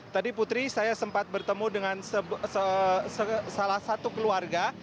tadi putri saya sempat bertemu dengan salah satu keluarga